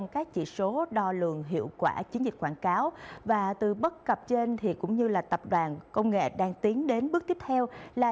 cái exoplanet định nghĩa là